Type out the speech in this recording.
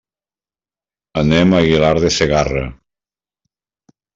Anem a Aguilar de Segarra.